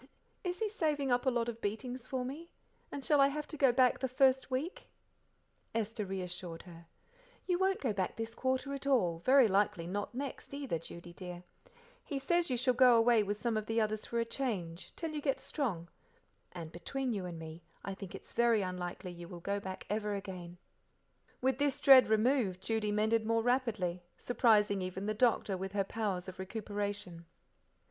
"Is he saving up a lot of beatings for me? And shall I have to go back the first week?" Esther reassured her. "You won't go back this quarter at all, very likely not next either, Judy dear. He says you shall go away with some of the others for a change till you get strong; and, between you and me, I think its very unlikely you, will go back ever again." With this dread removed, Judy mended more rapidly, surprising even the doctor with her powers of recuperation.